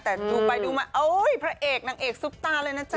แต่ดูไปดูมาโอ๊ยพระเอกนางเอกซุปตาเลยนะจ๊